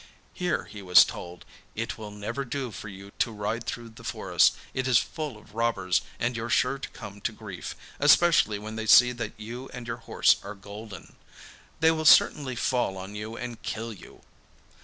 Here he was told, 'It will never do for you to ride through the forest, it is full of robbers, and you're sure to come to grief, especially when they see that you and your horse are golden. They will certainly fall on you and kill you.